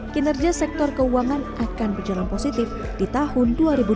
kinerja sektor keuangan akan berjalan positif di tahun dua ribu dua puluh